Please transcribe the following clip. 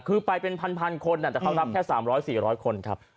คือไปเป็นพันคนแต่เขารับแค่๓๐๐๔๐๐คนครับ